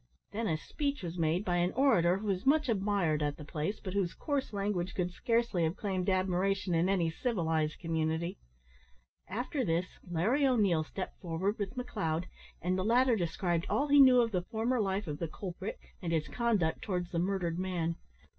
Then a speech was made by an orator who was much admired at the place, but whose coarse language would scarcely have claimed admiration in any civilised community. After this Larry O'Neil stepped forward with McLeod, and the latter described all he knew of the former life of the culprit, and his conduct towards the murdered man.